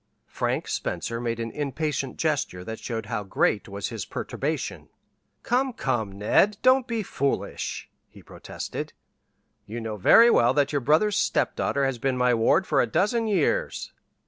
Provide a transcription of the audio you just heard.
Frank Spencer made an impatient gesture that showed how great was his perturbation. "Come, come, Ned, don't be foolish," he protested. "You know very well that your brother's stepdaughter has been my ward for a dozen years."